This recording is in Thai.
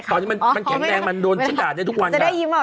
ตอนนี้มันแข็งแรงมันโดนฉันด่าได้ทุกวันแล้ว